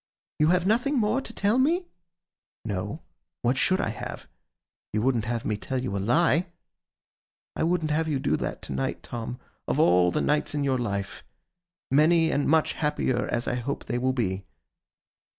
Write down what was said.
'You have nothing more to tell me?' 'No. What should I have? You wouldn't have me tell you a lie!' 'I wouldn't have you do that to night, Tom, of all the nights in your life; many and much happier as I hope they will be.